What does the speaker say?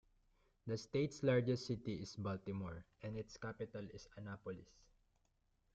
The state's largest city is Baltimore, and its capital is Annapolis.